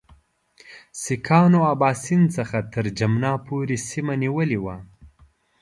سیکهانو اباسین څخه تر جمنا پورې سیمه نیولې وه.